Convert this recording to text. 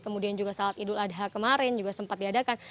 kemudian juga salat idul adha kemarin juga sempat diadakan